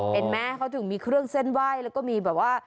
เห็นไหมเขาถึงมีเครื่องเส้นไหว้แล้วก็มีแบบว่า